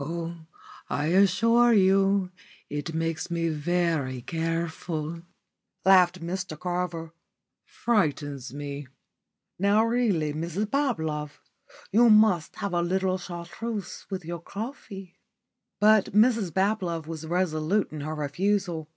Oh, I assure you it makes me very careful," laughed Mr Carver. "Frightens me. Now, really, Mrs Bablove, you must have a little yellow Chartreuse with your coffee." But Mrs Bablove was resolute in her refusal.